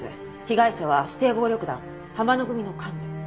被害者は指定暴力団浜之組の幹部。